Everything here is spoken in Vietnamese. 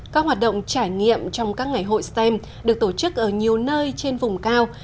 các hoạt động trải nghiệm trong các ngày hội stem được tổ chức ở nhiều nơi trên vùng cao